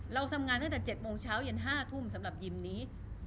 เราทำงานตั้งแต่๗โมงเช้าเย็น๕ทุ่มสำหรับยิมนี้